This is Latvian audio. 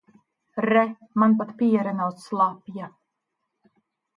Re, man pat piere nav slapja.